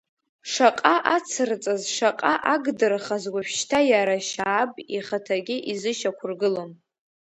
Шаҟа ацырҵаз, шаҟа агдырхаз уажәшьҭа иара Шьааб ихаҭагьы изышьақәыргылом.